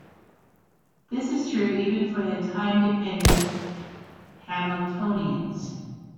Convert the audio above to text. This is true even for time dependent Hamiltonians.